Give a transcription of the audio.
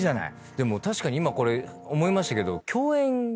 でも確かに今これ思いましたけど。